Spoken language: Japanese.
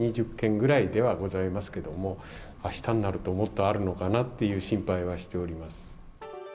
２０件ぐらいではございますけども、あしたになると、もっとあるのかなっていう心配はしております。